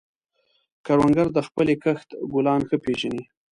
کروندګر د خپلې کښت ګلان ښه پېژني